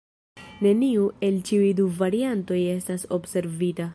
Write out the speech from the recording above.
Neniu el ĉiuj du variantoj estas observita.